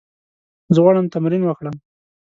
زه غواړم تمرین وکړم.